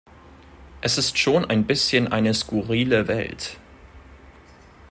Es ist schon ein bisschen eine skurrile Welt!